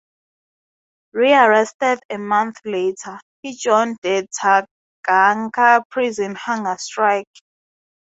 Rearrested a month later, he joined the Taganka Prison hunger strike.